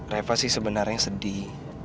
reva sih sebenarnya sedih